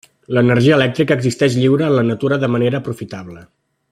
L'energia elèctrica existeix lliure en la natura de manera aprofitable.